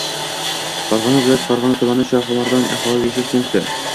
Farg‘ona viloyati, Farg‘ona tumani, Shoximardon aholi yashash punkti